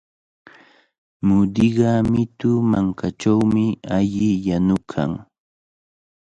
Mutiqa mitu mankachawmi alli yanukan.